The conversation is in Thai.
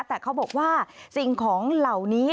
แต่เขาบอกว่าสิ่งของเหล่านี้